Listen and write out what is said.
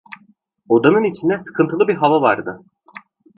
Odanın içinde sıkıntılı bir hava vardı.